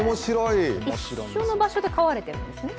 一緒の場所で飼われてるんですね。